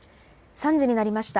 ３時になりました。